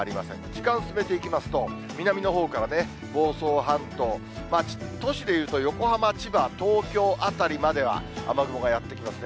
時間進めていきますと、南のほうから房総半島、都市でいうと、横浜、千葉、東京辺りまでは、雨雲がやって来ますね。